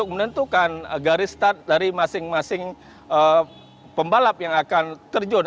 menentukan garis start dari masing masing pembalap yang akan terjun